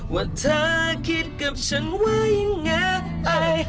ว่าเธอคิดกับฉันไว้ยังไง